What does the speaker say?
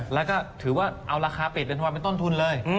แล้วก็ถือว่าเอาราคาปิดเป็นวันเป็นต้นทุนเลย